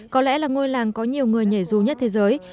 có lẽ là ngôi làng có nhiều người nhảy dù nhất thế giới